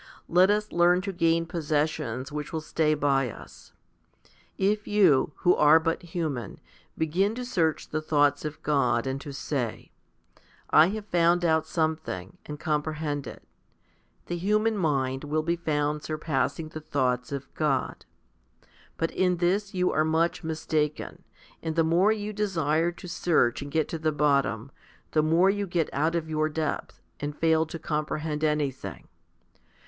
Let us learn to gain possessions which will stay by us. If you, who are but human, begin to search the thoughts of God, and to say, " I have found out something, and com prehend it," the human mind will be found surpassing the thoughts of God. But in this you are much mistaken; and the more you desire to search and get to the bottom, the more you get out of your depth, and fail to compre hend anything.